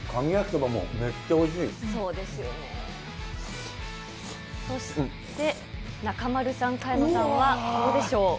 そして中丸さん、萱野さんはどうでしょう。